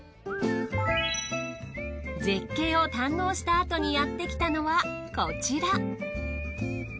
絶景を堪能したあとにやってきたのはこちら。